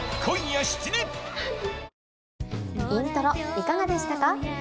『イントロ』いかがでしたか？